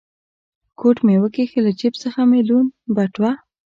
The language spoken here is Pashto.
کوټ مې و کښ، له جېب څخه مې لوند بټوه.